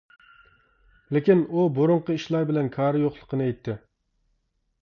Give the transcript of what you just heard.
لېكىن ئۇ بۇرۇنقى ئىشلار بىلەن كارى يوقلۇقىنى ئېيتتى.